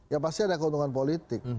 ya pasti ada keuntungan politik